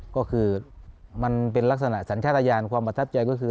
ก็คือมันเป็นลักษณะสัญชาติยานความประทับใจก็คือ